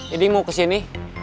dedy mau kesini